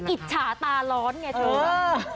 อิจฉาตาร้อนเนี่ย